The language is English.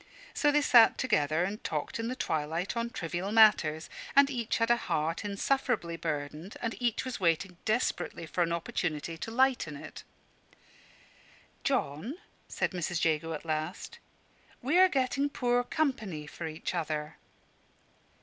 So they sat together and talked in the twilight on trivial matters; and each had a heart insufferably burdened, and each was waiting desperately for an opportunity to lighten it. "John," said Mrs. Jago at last, "we are getting poor company for each other.